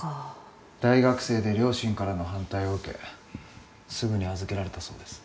大学生で両親からの反対を受けすぐに預けられたそうです。